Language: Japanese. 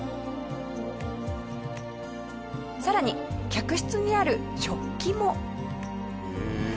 さらに客室にある食器も。